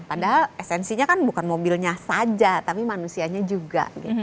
padahal esensinya kan bukan mobilnya saja tapi manusianya juga